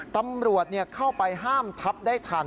ตำรวจเข้าไปห้ามทับได้ทัน